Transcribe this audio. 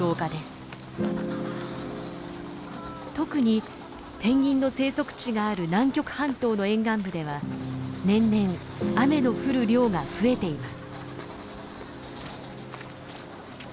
特にペンギンの生息地がある南極半島の沿岸部では年々雨の降る量が増えています。